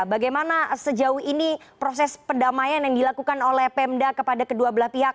bagaimana sejauh ini proses pendamaian yang dilakukan oleh pemda kepada kedua belah pihak